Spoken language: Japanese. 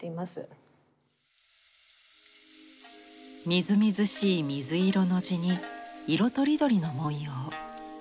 みずみずしい水色の地に色とりどりの文様。